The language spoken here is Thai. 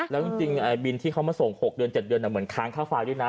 แล้วจริงจริงบินที่เขามาส่งหกเดือนเจ็ดเดือนอะเหมือนค้างค่าไฟล์ด้วยนะ